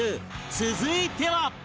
続いては